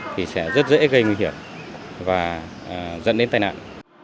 thì sẽ rất dễ gây nguy hiểm và dẫn đến tai nạn